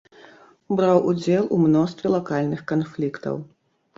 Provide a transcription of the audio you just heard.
Браў удзел у мностве лакальных канфліктаў.